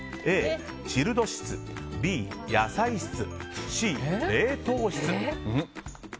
Ａ、チルド室Ｂ、野菜室Ｃ、冷凍室。